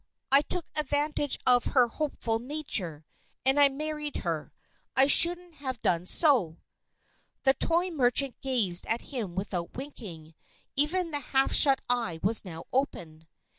I took advantage of her hopeful nature, and I married her. I shouldn't have done so!" The toy merchant gazed at him without winking. Even the half shut eye was now open.